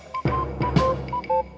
saya juga ngantuk